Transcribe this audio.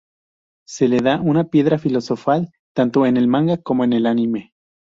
Se le da una Piedra Filosofal tanto en el manga como en el anime.